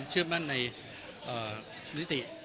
เชื่อมั่นในได้